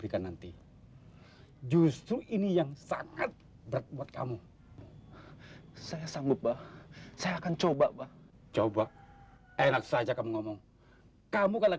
redwad kerastheat mendepat semuanya